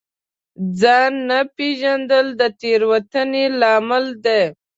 ځان نه پېژندل د تېروتنې لامل دی.